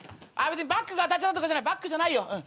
バッグが当たっちゃったとかじゃないバッグじゃないよ。